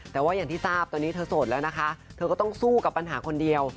แต่ว่าอย่างที่ทราบตอนนี้เธอโสดแล้วนะคะเธอก็ต้องสู้กับปัญหาคนเดียว